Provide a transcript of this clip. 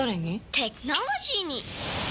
テクノロジーに！